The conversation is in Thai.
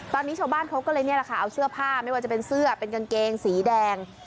ตอนนี้ชาวบ้านเขาก็เลยนี่แหละค่ะเอาเสื้อผ้าไม่ว่าจะเป็นเสื้อเป็นกางเกงสีแดง